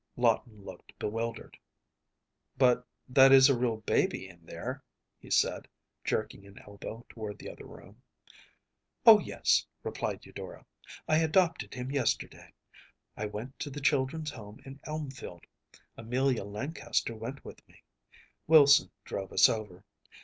‚ÄĚ Lawton looked bewildered. “But that is a real baby in there,‚ÄĚ he said, jerking an elbow toward the other room. “Oh yes,‚ÄĚ replied Eudora. “I adopted him yesterday. I went to the Children’s Home in Elmfield. Amelia Lancaster went with me. Wilson drove us over.